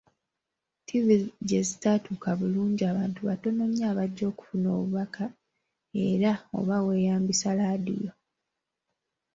Ttivvi gye zitatuuka bulungi abantu batono nnyo abajja okufuna obubaka, era oba weeyambisa laadiyo.